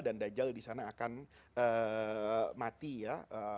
dan dajjal disana akan mati ya